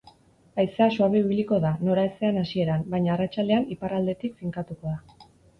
Haizea suabe ibiliko da, noraezean hasieran, baina arratsaldean iparraldetik finkatuko da.